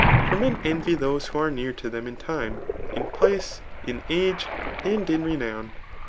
] For men envy those who are near to them in time, in place, in age, and in renown.